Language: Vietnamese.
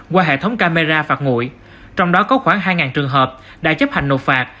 qua hệ thống camera phạt nguội trong đó có khoảng hai trường hợp đã chấp hành nộp phạt